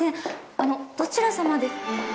あのどちらさまで。